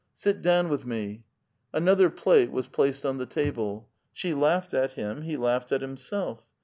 Sit down with me." Another plate was placed on the table. She 4aughed at him; he laughed at himself.